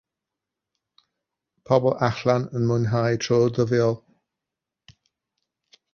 Pobl allan yn mwynhau tro dyddiol.